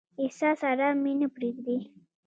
احساس ارام مې نه پریږدي.